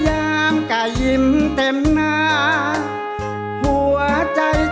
นั้นท่วมเติมเป็นหมอน